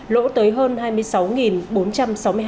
lỗ tới hơn hai mươi sáu so với năm hai nghìn hai mươi một